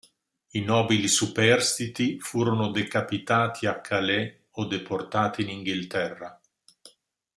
I nobili superstiti furono decapitati a Calais o deportati in Inghilterra.